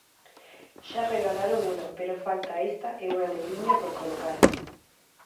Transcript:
Xa regalaron unha, pero falta esta e unha negriña por colocar.